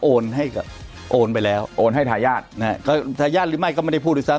โอนให้โอนไปแล้วโอนให้ทายาททายาทหรือไม่ก็ไม่ได้พูดอีกซ้ำ